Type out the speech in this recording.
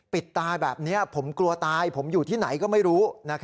ปิดตาแบบนี้ผมกลัวตายผมอยู่ที่ไหนก็ไม่รู้